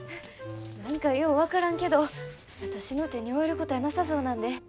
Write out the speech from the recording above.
何かよう分からんけど私の手に負えることやなさそうなんで。